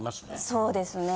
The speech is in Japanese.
そうですね。